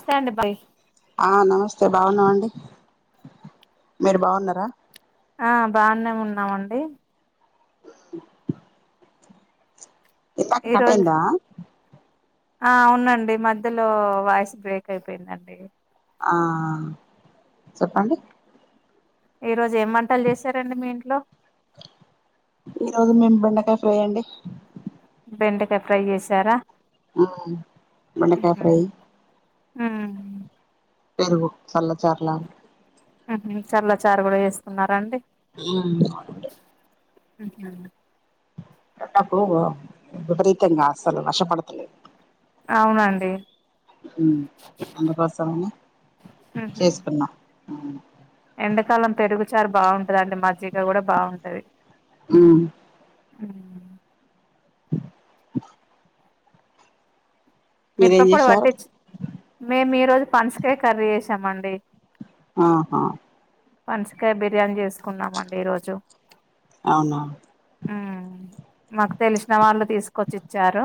స్త అండి బాయ్ సే బాగున్నామండి మీరు బాగున్నారా ఆ బానేమి ఉన్నామండి ఇంతాక ఈ రోజు కటందా ఆ ఉనండి మధ్యలో వాయిస్ బ్రేక్ అయిపోయిందండి ఆ చెప్పండి ఈ రోజు ఏం మంటలు చేశారండి మీ ఇంట్లో ఈ రోజు మేము బెండకాయ ఫ్రై అండి బెండకాయ ఫ్రై చేసారా ఉహ్ బెండకాయ్ ఫ్రై ఆ పెరుగు చల్ల చర్లా చల్ల చారు కూడా ఏసుకున్నారా అండి ఆ అవునండి హు హూ అట్టప్పు విపరీతంగా అసలు వషపడతులే అవునండి ఉ అన్న ప్రస్తావన ఉహు చేసుకున్నా అవును ఎండాకాలం పెరుగు చారు బాగుంటది అండి మజ్జిగ కూడా బాగుంటది హుమ్ ఆ మీరేం మిరప పొడి చేశారు పట్టిచ్చు మేము ఈ రోజు పనసకాయ కర్రీ ఏసామండి ఆహా పనస కాయ బిర్యానీ చేసుకున్నామండి ఈరోజు అవునా మాకు తెలిసిన వాళ్ళు తీసుకొచ్చి ఇచ్చారు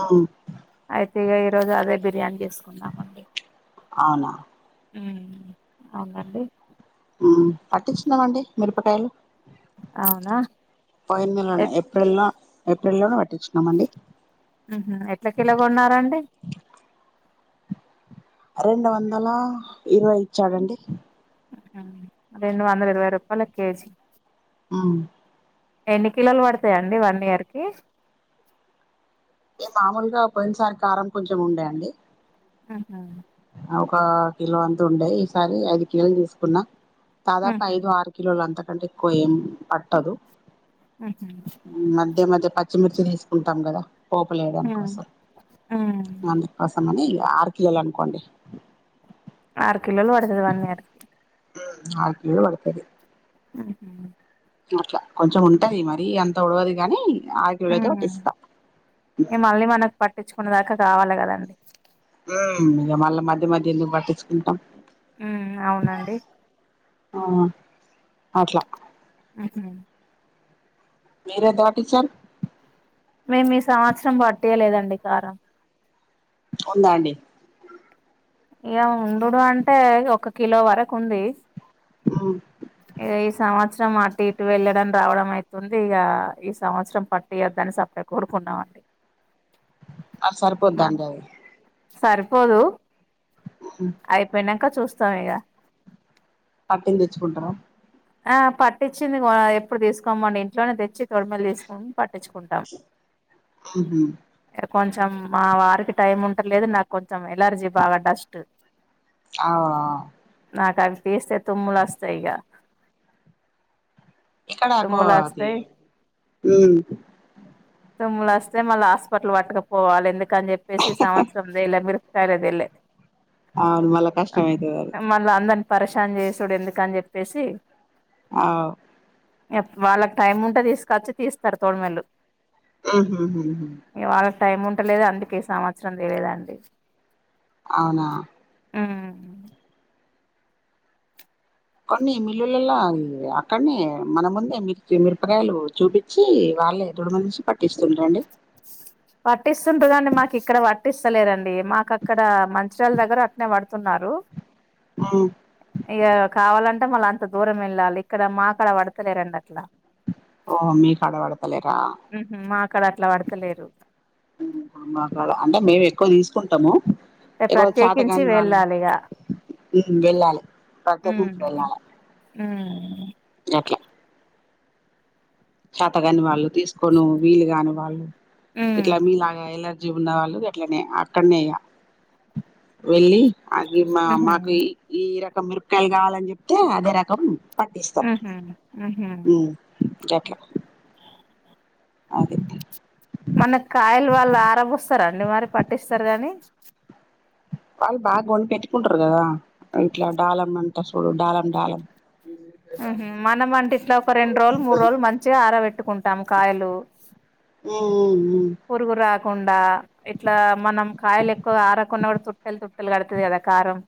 ఉమ్ అయితే ఇ ఈరోజు అదే బిర్యానీ సుకున్నమండి అవునా మ్మ్ అవునండి మ్మ్ పట్టిచనం అండి మిరపకాయలు అవునా పైందిలనే ఎప్పుడలా ఏప్రిల్ లో హ్మ్ హు ఎట్ల కిలో కొన్నరండి రెండు వందల ఇరవై ఇచ్చాడంండి రెండు వందల ఇరవై రూపాయల కేజీ అవును ఎన్ని కిలోలు పడతాయంండి వన్ ఇయర్ కి ఏ మామూలుగా పోయినసారి కారం కొంచెం ఉండే అండి ఆహా ఒక కిలో అంతా ఉండేయి ఈసారి ఐదు కిలోలు తీసుకున్నా దాదాపు ఉహు ఐదు ఆరు కిలోలు అంతా అంటే ఎక్కువ ఏం పట్టదు ఉహు మ్మ్ మధ్య మధ్ పచ్చిమిర్చిలు తీసుకుంటాం కదా ఉమ్ పోపులేడానికోసం ఉమ్ అందుకోసమని ఆరుకిలోలు అనుకోండి ఆరు కిలోలు పడుతది వన్ ఇయర్ కి నాకూ కూడ్ పడుతది ఉహూ అట్లా కొంచెం ఉంటది మరీ అంత ఒడవది గాని ఆరు హూ కిలోలు అయితే పట్టిస్తాం ఎ మళ్ళీ మనకు పట్టించుకునేదాకా రావాలి కదండి ఇక మళ్ళా మధ్య మధ్య ఎందు పట్టించుకుంటాం ఉ అవునండి ఆ అట్లా మ్మ్ హు మీరు ఏంతపట్టిచ్ఛారు మేము ఈ సంవత్సరం బట్టీయ్యా లేదండి కారం ఉందా అండి ఇక ఉండుడూ అంటే ఒక కిలో వరకు ఉంది ఆ ఇగా ఈ సంవత్సరం అటు ఇటు వెళ్ళడం రావడం అయితుంది ఇగా ఈ సంవత్సరం పట్టియద్దని సప్పే కొనుకున్నామండి అది సరిపోద్దండి అవి సరిపోదు అయిపోనాక్ క చూస్తాం ఇగ పట్టింది తెచ్చుకుంటారా ఆ పట్టించింది కొనా ఎప్పుడు తీసుకొమ్మండి ఇంట్లోనే తెచ్చి తొడిమలు తీసుకోం పట్టించుకుంటాం ఉహు కొంచెం మా వారికి టైం ఉంటలేదు నాకు కొంచెం ఎలర్జీ బాగా డస్ట్ అవునా నాకువి తీస్తే తుమ్ములు అస్తాయి ఇగ ఇక్కడకు తుమ్ములు అది వస్తాయి తుమ్ములు అస్తే మళ్ళా హాస్పిటల్ పటుకపోవాలి ఎందుకు అని చెప్పేసి ఈ సంవత్సరం తేలేే మిరపాయకలు సరేదేలే అవును మళ్ళా కష్టం అయితది పరశాన్ చేసుడు ఎందుకు అని చెప్పేసి అవ్ ఇగ వాళ్ళకి టైం ఉంటే తీసుకచ్చి తీస్తారు తోడమల్ళలు ఆహ ఆహా హ టైం ఉంటలేదు అందుకే సంవత్సరం లేయదా అండి అవునా హు అ కొన్ని మిల్లులలో అక్కడనే మన ముందే మిర్చిమీపకాయలు చూపించి వాళ్ళే దొడుమ నుంచి పటిస్తుండ్రండి పట్టిస్తుంటదండి మాకు ఇక్కడ పట్టిస్తలేదండి మాకు అక్కడ మంచిర్యాల దగ్గర అట్నే పడుతున్నారు ఉమ్ ఈ కావాలంటే అ మళ్ళ అంత దూరం వెళ్ళాలి ఇక్కడ మా కదా అడతలే రండి అట్లా ఓ మీకాడపడతలేరా మాకాడ అట్లా పడతలేరు హు కళ అంటే మేము ఎక్కువ తీసుకు కుంటాము ఎకువ ప్రత్యేకించి చాతకాని వాళ్ళు వెళ్ళాలి ఇగ వెళ్ళాలి ప్రతకు ఉమ్ వెళ్ళాలి ఉమ్ ఓకే చేత కాని వాళ్ళు తీసుకోను వీలు కాను వాళ్ళు ఉమ్ ఎట్లా మీలాగా ఎలా చూ ఉన్న వాళ్ళు అట్లనే అక్కడనేయా వెళ్ళి అది మా ఉహు మాకు ఈ క మిరపకాయలు కావాలని చెప్తే అదే రకం హు పట్టిస్తారు హూ దక ఆదిత్య మనకి కాయలు వాళ్ళు ఆరబోస్తారండి మరి పట్టిస్తారు గానీ వాళ్ళు బాగా కొన్ పెట్టుకుంటారు కదా ఇట్లా డాలమ్మ అంట మనం అంటె ఇట్లా ఒక రెండు రోజులు మూడు రోజులు మంచిగా ఆరబెట్టుకుంటాం కాయలు ఉమ్ ఉమ్ పోరుగురు కాకుండా ఇట్లా మనం కాయలు ఎక్కువ ఆరకుండా కూడా తుట్టెలు తుట్టెలు కడుతది కదా కారం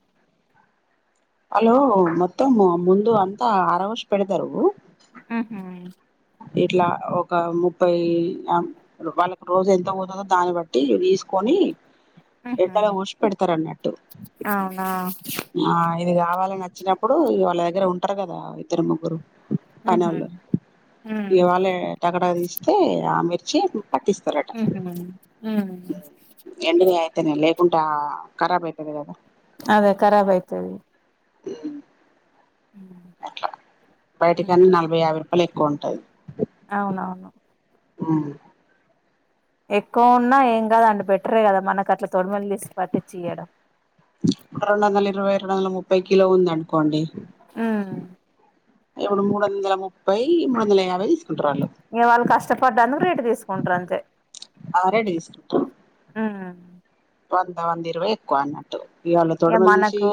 హలో మొత్తం ముందు అంతా ఆరవోషి పెడతారు ఊహూ ఇట్లా ఒక ముప్పై వాళ్ళకి రోజు ఎంత పోతదో దాన్ని బట్టి తీసుకొని ఉహు ఎట్టగా పోష పెడతారన్నట్టు అవునా ఆ ఇది కావాలని వచ్చినప్పుడు వాళ్ళ దగ్గర ఉంటారు కదా ఇద్దరు ముగ్గురు ఊహూ ఇవాళే టకటక తీస్తే ఆమిర్ చేపు ఉహూ మ్ టేనే లేకుంటే ఆ ఖరాబైతది కదా అదే కరాబైతది అట్లా బయటి కాన్నా ఉహు నలభై యాభై రూపాయలు ఎక్కువ ఉంటాది అవునవును ఉమ్ ఎక్కువ ఉన్నా ఏం కాదండి బెటరే కదా మనకట్లా తొడుమలు తీసి పట్టిచ్చియ్యడం రెండోందలిరవై రెండోందల ముప్పై కిలో ఉందనుకోండి ఉమ్ ఇప్పుడు మూడొందలము పై మూడోందలయాభై తీసుకుంటారాళ్ళు ఇంక వాళ్ళు కష్టపడ్డందుకు రేటు తీసుకుంటరంతే ఆరడేస్టు మ్మ్ వంద వందిరవై ఎక్కువన్నట్టు ఇయ్యాల తోడమల్ తీషి మనకు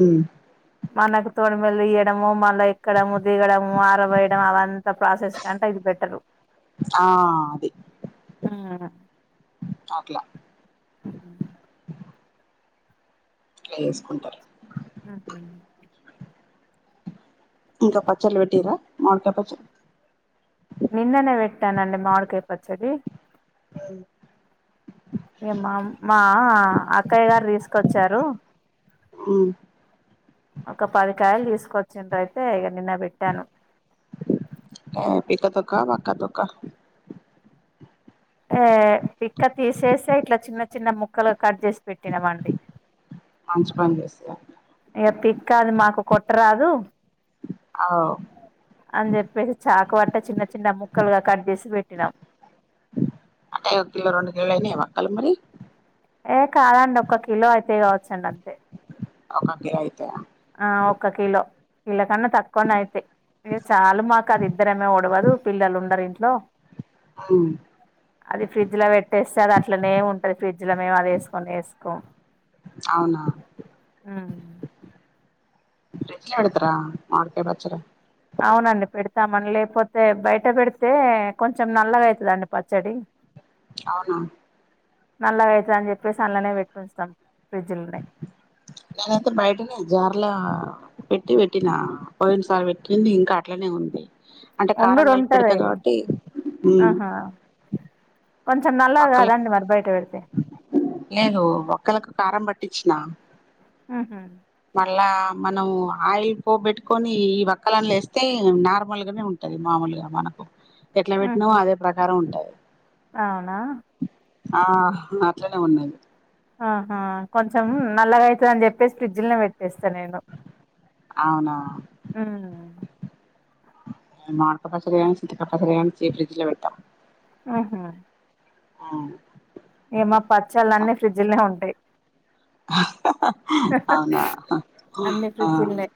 మ్మ్ మనకు తొడుమలు తియ్యడయు మ మల్లా ఎక్కడం దిగడం ఆరబోయడం అవంతా ప్రాసెస్ కంటే ఇది బెటర్ ఆ అది ఉమ్ అట్లా అట్లా ఊహూ ట్లేసుకుంటారు ఊహూ ఇంకా పచ్చళ్ళు పెట్టిర్రా మావిడికాయ్ పచ్చళ్ళు నిన్ననే పెట్టానండి మావోడికాయ్ వచ్చడి మ్మ్ ఇగ మా మా అక్కయ్య గారు తీసుకొచ్చారు మ్మ్ కొచ్చిందయితే ఇగ నిన్న బెట్టాను ఏం పితతొక్కా వక్కతొకా ఆ పిక్క తీసేసే ఇట్లా చిన్న చిన్న ముక్కలుగ కట్ చేసి పెట్టినమండి మంచి పని చేసారు ఇగ పిక్ అది మాకు కొట్టరాదు అవ్ అని చెప్పేసి చా ఒక పట్ట చిన్న చిన్న ముక్కలుగా కట్ చేసి పెట్టినాం అంటే ఓక్కిలో రెండు కిలోలయినయా వక్కలు మరి ఏ కాదండి ఒక్క కిలో అయితే కావచ్చండి అం ఒక్క కిలో ఐతాయా ఆ ఒక్క కిలో కిలో కన్న తక్కువనయితే ఇగ చాలు మాకదిద్దరమే ఉడవదు పిల్లలుండరు ఇంట్లో ఉమ్ అది ఫ్రిడ్జ్ లో పెట్టేస్తే అది అట్లనే ఉంటది ఫ్రిడ్జ్ లో మేమది వేసుకొనే వేసుకోం అవునా మ్ ఫ్రిజ్ లో పెడతార మావిడికాయ పచ్చడి అవునండి పెడతామని లేకపోతే బయట పెడితే కొంచెం నల్లగా ఐతుందండి పచ్చడి అవునా నల్లగా ఐతుదమణని చెప్పేసి అందులనే పెట్టి ఉంచుతాం ఫ్రిడ్జ్లోనే నేనైతే బయటనే జార్లా పెట్టి పెట్టినా పోయినసారి పెట్టింది ఇంకా అట్లనే ఉంది అంటే కారం వండుడు కలిపి ఉంటది పెడతా కాబట్టి ఆహా కొంచెం నల్లగ వక్కలకు కాదండి మరి బయట పెడితే లేదు వక్కలకు కారం పట్టిచ్చిన ఊహూ అలా మనం ఆయిల్ పోబెట్టుకొని ఈ వక్కలని లేస్తే నార్మల్గానే ఉంటుది మామూలుగా మనకు ఎట్లా పెట్టినమో ఉహు. అదే ప్రకారం ఉంటాది అవునా ఆ అట్లనే ఉన్నాయి ఆహా కొంచెం నల్లగైతది అని చెప్పేసి ఫ్రిడ్జ్ లనే పెట్ అవునా మామిడికాయ పచ్చడి గాని చింతకాయ పచ్చడి గాని డీఫ్రిజ్ ల పెడ్తా ఆహ ఆ ఏమ్మా పచ్చళ్ళన్నీ ఫ్రిడ్జ్ లనే ఉంటాయి అవునా అన్ని ఆ ఫ్రిడ్జీలనే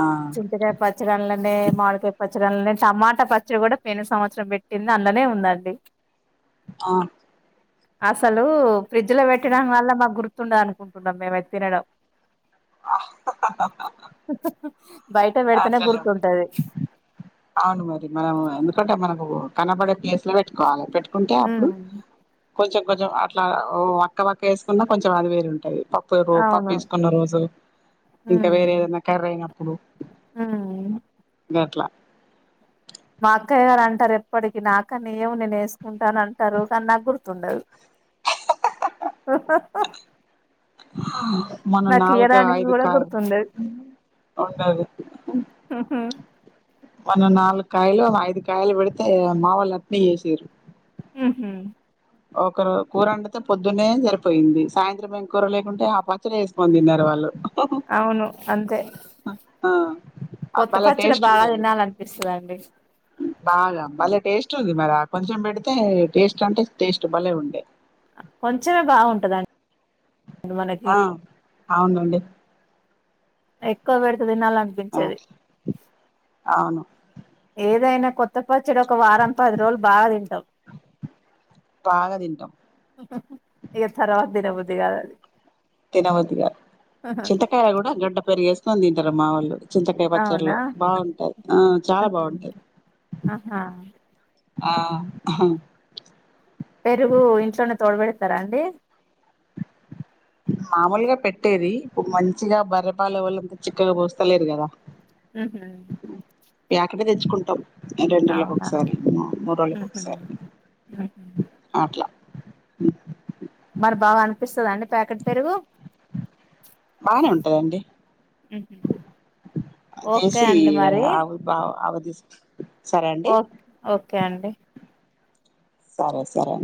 ఆ చింతకాయ పచ్చడల్లనే మామిడికాయ పచ్ చ్చడల్లనే టమాటా పచ్చడి కూడా పోయిన సంవత్సరం పెట్టింది అందులోనే ఉందండి ఆ అసలు ఫ్రిడ్జ్ లో పెట్టడం వల్ల మాగ్గుర్తుండదు అనుకుంట మేమైతే తినడం [unintelligible] బయట పెడితేనే అట్లనా గుర్తుంటది అవును మరి మనం ఎందుకంటే మనకు కనబడే ప్లేస్ ల పెట్కోవాలె పెట్టు ఉంటే అప్పుడు ఉమ్ కొంచెం కొంచెం అట్లా వక్క వక్క వేసుకున్న కొంచెం అది వేరుంటది పప్పుకు అవును పప్పేసుకున్న రోజు ఇంక వేరే ఏదైనా కర్రీ అయిన అవ్నో ఆఅ అట్లా మా అక్కయ్య గారు అంటారు ఎప్పటికి నాకన్న ఇవ్వు నేను వేసుకుంటాన అంటారు కానీ నాకు గుర్తుండదు [unintelligible] ఆ [unintelligible] మన నాలుగు ఇయ్యడానికి ఐదు కూడా కాయ గుర్తుండదు ఉంటాది ఉహు మొన్న నాలుగు కాయలు ఐదు కాయలు పెడితే మావళ అట్నే వేసిరు హుమ్మ్ ఒకరు కూరొండితే పొద్దున్నే సరిపోయింది సాయంత్రం ఏం కూర లేకుంటే ఆ పచ్చడి వేసుకొని తిన్నారు వాళ్ళు అవును అంతే ఆ కొత్త భలే పచ్చడి టేస్ట్ బాగా ఉన్నది తినాలనిపిస్తాదండి బాగా భలే టేస్ట్ ఉంది మరి కొంచెం పెడితే టేస్ట్ అంటే టేస్ట్ భలే ఉండే కొంచమే బాగుంటుందం ఆ అవునండి ఎక్కువ పెడితే ఆ తినాలనిపించేది అవును ఏదైనా కొత్త వచ్చినా ఒక వారం పది రోజులు బాగా తింటాం బాగా తింటాం ఇక ఆ తర్వాత తినబుద్ అది కాదండి తినబుద్ది గాదు చింతకాయ కూడా గడ్డ [unintelligible] మొత్తం తిన్టారు మా వోళ్ళు చింతకాయ పచ్చర్లో అవునా బాగుంటాయి ఆ చాలా ఉహు బాగుంటాయి ఆహా ఆ అవ్ పెరుగు ఇంట్లోనే తోడబెడతారా అండి మామూలుగా పెట్టేది ఇప్ మంచిగా బర్రెపాల్ వోల్లంతా చిక్కగా పోస్తలేరు కదా హు హుమ్మ్ ఏకనే తెచ్చుకుంటాం రెంరెండ్ల అవునా ఒక్కసారి మూడ్ రోజుల ఉహు ఒక్సారి ఉహు అ అట్లా వత్తాదా అండి ప్యాకెట్ పెరుగు బానే ఉంటదండి ఉహు ఓకే చేసి అండి మరి ఆ బా ఆవ సరే అండి ఓ ఓకే అండి సరే సరే